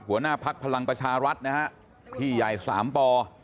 หัวหน้าพักภลังประชารัฐนะพี่ไย๓ป